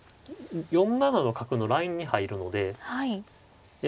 ４七の角のラインに入るのでえ